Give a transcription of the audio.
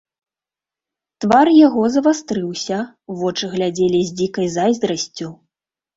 Твар яго завастрыўся, вочы глядзелі з дзікай зайздрасцю.